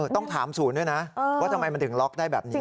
ต้องถามศูนย์ด้วยนะว่าทำไมมันถึงล็อกได้แบบนี้